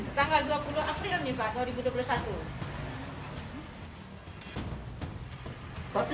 tanggal dua puluh april nih pak dua ribu dua puluh satu